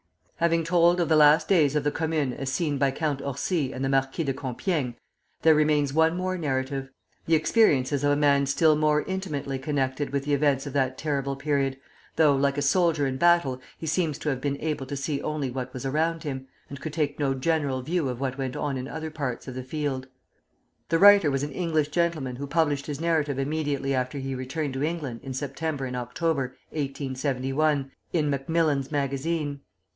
Having told of the last days of the Commune as seen by Count Orsi and the Marquis de Compiègne, there remains one more narrative, the experiences of a man still more intimately connected with the events of that terrible period, though, like a soldier in battle, he seems to have been able to see only what was around him, and could take no general view of what went on in other parts of the field. The writer was all English gentleman who published his narrative immediately after he returned to England in September and October, 1871, in "Macmillan's Magazine."